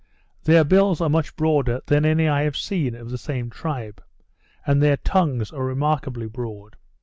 Their bills are much broader than any I have seen of the same tribe; and their tongues are remarkably broad.